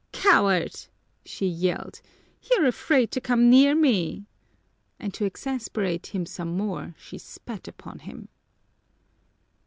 "Coward!" she yelled; "you're afraid to come near me!" And to exasperate him the more, she spat upon him.